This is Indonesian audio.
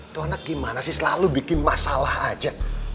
tuh anak gimana sih selalu bikin masalah aja